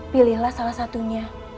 pilihlah salah satunya